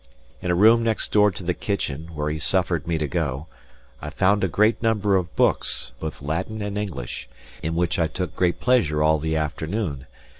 In a room next door to the kitchen, where he suffered me to go, I found a great number of books, both Latin and English, in which I took great pleasure all the afternoon.